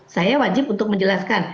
saya wajib untuk menjelaskan